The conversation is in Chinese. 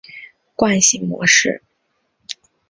惯性模式。